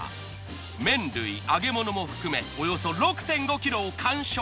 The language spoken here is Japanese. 麺類揚げ物も含めおよそ６．５ｋｇを完食。